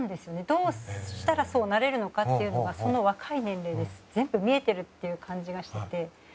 どうしたらそうなれるのかというのが、若い年齢で全部見えてるという感じがしていて。